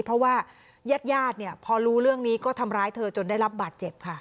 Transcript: เพราะว่าญาติเนี่ยพอรู้เรื่องนี้ก็ทำร้ายเธอจนได้รับบาดเจ็บค่ะ